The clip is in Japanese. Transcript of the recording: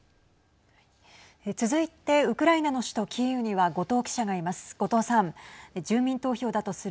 続いてウクライナの首都キーウには後藤記者がいます。